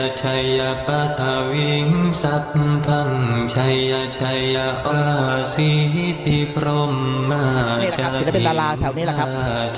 าขาภิกตาแถวนี้ล่ะครับ